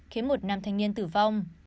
khiến một nam thanh niên tử vong